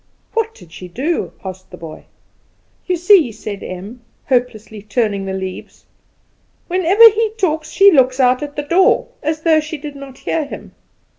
"What did she do?" asked the boy. "You see," said Em, hopelessly turning the leaves, "whenever he talks she looks out at the door, as though she did not hear him.